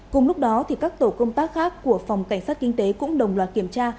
cùng lúc đó các tổ công tác khác của phòng cảnh sát kinh tế cũng đồng loạt kiểm tra